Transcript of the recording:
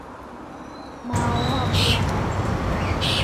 Mao wabula apa